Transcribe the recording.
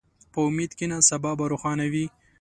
په امید کښېنه، سبا به روښانه وي.